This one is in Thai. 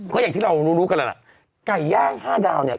ก็อย่างที่เรานุ่บกันแล้วไก่ย่างห้าดาวเนี่ย